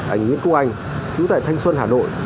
anh nguyễn quốc anh chú tại thanh xuân hà nội